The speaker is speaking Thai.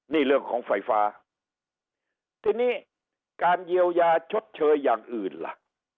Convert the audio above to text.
นี่เรื่องของไฟฟ้าทีนี้การเยียวยาชดเชยอย่างอื่นล่ะ